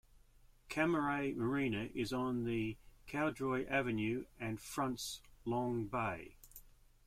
Cammeray Marina is on Cowdroy Avenue and fronts Long Bay.